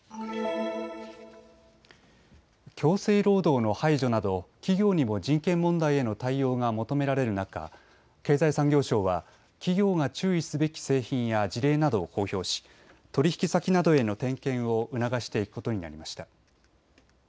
強制労働の排除など企業にも人権問題への対応が求められる中、経済産業省は企業が注意すべき製品や事例などを公表し取引先などへの点検を促していくことになりました。